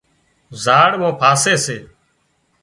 زاۯ مان پاسي سي